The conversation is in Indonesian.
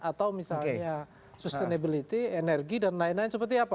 atau misalnya sustainability energi dan lain lain seperti apa